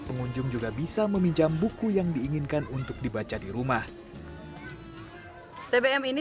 pengunjung juga bisa meminjam buku yang diinginkan untuk dibaca di rumah tbm ini